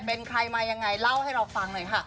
เป็นใครมายังไงเล่าให้เราฟังหน่อยค่ะ